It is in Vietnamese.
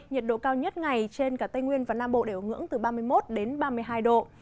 nhiệt độ cao nhất ngày trên cả tây nguyên và nam bộ đều ở ngưỡng từ ba mươi một đến ba mươi hai độ